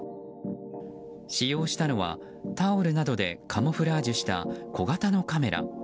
使用したのはタオルなどでカムフラージュした小型のカメラ。